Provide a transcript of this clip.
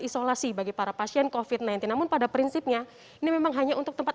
isolasi bagi para pasien kofit sembilan belas namun pada prinsipnya ini memang hanya untuk tempat